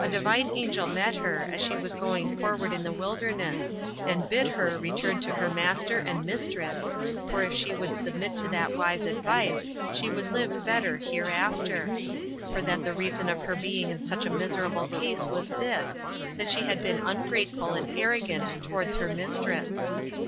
Now a Divine Angel met her, as she was going forward in the wilderness, and bid her return to her master and mistress, for if she would submit to that wise advice, she would live better hereafter; for that the reason of her being in such a miserable case was this, that she had been ungrateful and arrogant towards her mistress.